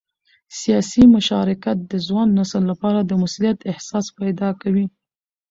سیاسي مشارکت د ځوان نسل لپاره د مسؤلیت احساس پیدا کوي